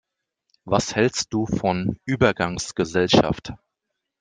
Was hälst du von Übergangsgesellschaft?